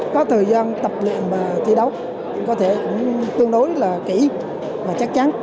có thời gian tập luyện và thi đấu có thể cũng tương đối là kỹ và chắc chắn